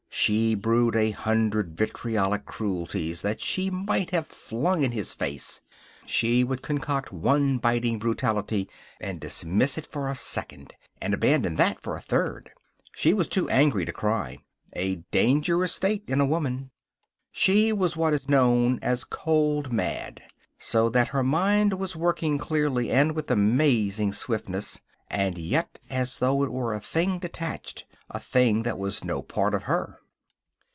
She brewed a hundred vitriolic cruelties that she might have flung in his face. She would concoct one biting brutality, and dismiss it for a second, and abandon that for a third. She was too angry to cry a dangerous state in a woman. She was what is known as cold mad, so that her mind was working clearly and with amazing swiftness, and yet as though it were a thing detached; a thing that was no part of her.